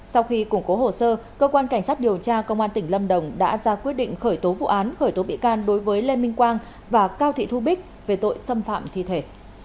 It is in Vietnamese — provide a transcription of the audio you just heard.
sau khi củng cố hồ sơ cơ quan cảnh sát điều tra công an tỉnh lâm đồng đã ra quyết định khởi tố vụ án khởi tố bị can đối với lê minh quang và cao thị thu bích về tội xâm phạm thi thể